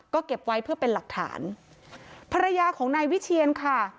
ก็เก็บไว้เพื่อเป็นหลักฐานภรรยาของนายวิเชียนค่ะ